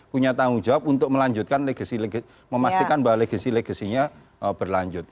punya tanggung jawab untuk melanjutkan memastikan bahwa legasi legasinya berlanjut